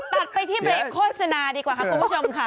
ตัดไปที่เบรกโฆษณาดีกว่าค่ะคุณผู้ชมค่ะ